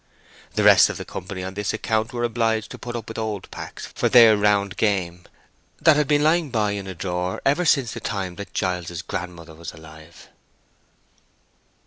The rest of the company on this account were obliged to put up with old packs for their round game, that had been lying by in a drawer ever since the time that Giles's grandmother was alive.